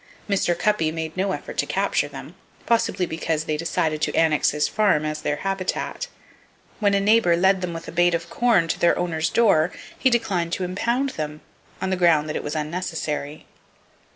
Mr. Cuppy made no effort to capture them, possibly because they decided to annex his farm as their habitat. When a neighbor led them with a bait of corn to their owner's door, he declined to impound them, on the ground that it was unnecessary.